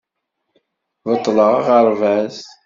Beṭleɣ aɣerbaz.